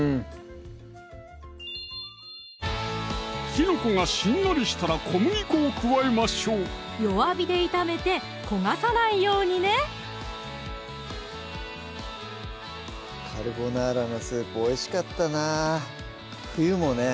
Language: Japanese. きのこがしんなりしたら小麦粉を加えましょう弱火で炒めて焦がさないようにねカルボナーラのスープおいしかったな冬もね